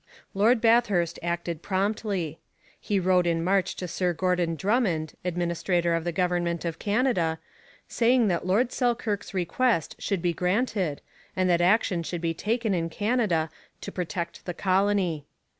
Lord Bathurst acted promptly. He wrote in March to Sir Gordon Drummond, administrator of the government of Canada, saying that Lord Selkirk's request should be granted and that action should be taken in Canada to protect the colony.